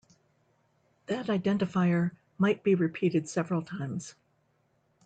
That identifier might be repeated several times.